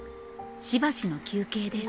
しばしの休憩です。